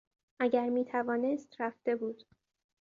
اگر میتوانست رفته بود.